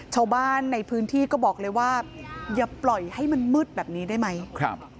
ชาวบ้านในพื้นที่ก็บอกเลยว่าอย่าปล่อยให้มันมืดแบบนี้ได้ไหมครับ